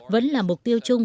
vẫn là mục tiêu chung